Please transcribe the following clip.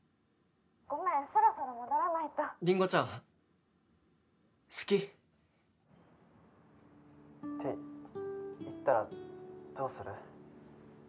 ☎ごめんそろそろ戻らないとりんごちゃん好き☎って言ったらどうする？